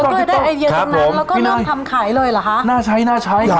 เฮียก็ได้ไอเดียตอนนั้นแล้วก็เริ่มทำขายเลยเหรอคะ